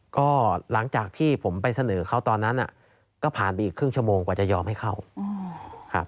ก็หลังจากที่ผมไปเสนอเขาตอนนั้นก็ผ่านไปอีกครึ่งชั่วโมงกว่าจะยอมให้เข้าครับ